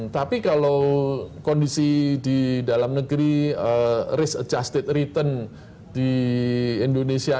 tapi kalau kondisi di dalam negeri risk adjusted return di indonesia